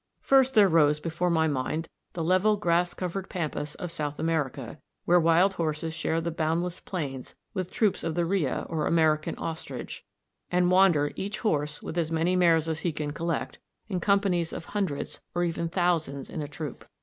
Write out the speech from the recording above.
First there rose before my mind the level grass covered pampas of South America, where wild horses share the boundless plains with troops of the rhea, or American ostrich, and wander, each horse with as many mares as he can collect, in companies of hundreds or even thousands in a troop.